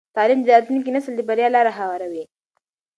تعلیم د راتلونکي نسل د بریا لاره هواروي.